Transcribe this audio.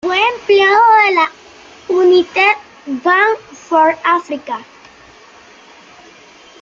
Fue empleado de la "United Bank for Africa".